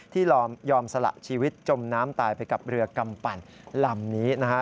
ที่ยอมสละชีวิตจมน้ำตายไปกับเรือกำปั่นลำนี้นะฮะ